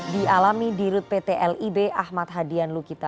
dialami di rute pt lib ahmad hadian lukita